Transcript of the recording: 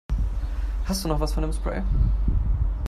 Hast du noch was von dem Spray?